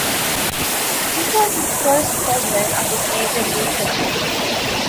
This was his first home run of his major league career.